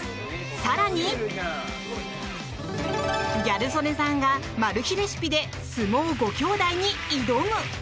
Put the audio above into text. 更に、ギャル曽根さんがマル秘レシピで相撲５兄弟に挑む！